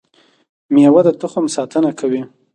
مېوه د تخم ساتنه کوي